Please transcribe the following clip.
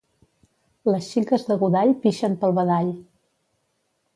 Les xiques de Godall pixen pel badall.